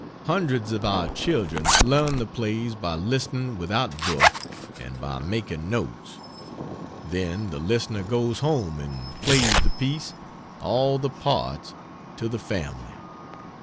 Hundreds of our children learn, the plays by listening without book, and by making notes; then the listener goes home and plays the piece all the parts! to the family.